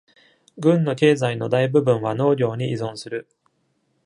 郡の経済の大部分は農業に依存する。